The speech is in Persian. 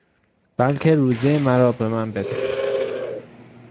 بلکه روزی مرا به من بده